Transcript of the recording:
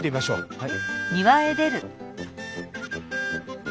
はい。